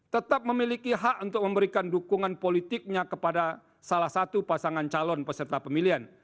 tetap memiliki hak untuk memberikan dukungan politiknya kepada salah satu pasangan calon peserta pemilihan